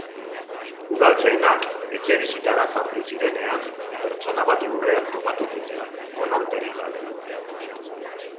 Udaltzainak etxebizitzara sartu zirenean, pertsona bat lurrean topatu zuten, konorterik gabe.